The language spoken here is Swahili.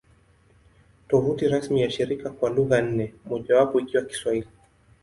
Tovuti rasmi ya shirika kwa lugha nne, mojawapo ikiwa Kiswahili